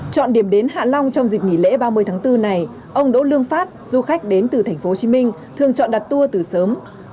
chọn điểm đến hạ long trong dịp nghỉ lễ ba mươi tháng bốn này ông đỗ lương phát du khách đến từ tp hcm thường chọn đặt tour từ sớm